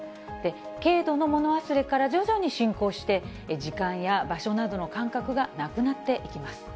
軽度の物忘れから、徐々に進行して、時間や場所などの感覚がなくなっていきます。